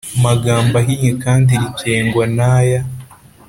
magambo ahinnye kandi rigengwa n aya